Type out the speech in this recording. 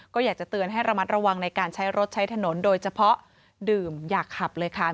ก็อยากจะเตือนให้ระมัดระวังในการใช้รถใช้ถนนโดยเฉพาะดื่มอย่าขับเลยค่ะ